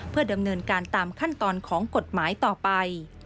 เพื่อดำเนินการตามขั้นตอนของกฎหมายต่อไป